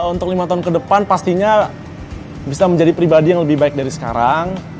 untuk lima tahun ke depan pastinya bisa menjadi pribadi yang lebih baik dari sekarang